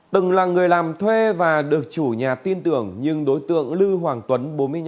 từng là người làm thuê và được chủ nhà tin tưởng nhưng đối tượng lư hoàng tuấn bốn mươi năm